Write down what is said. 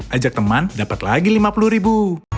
ajak teman dapat lagi lima puluh ribu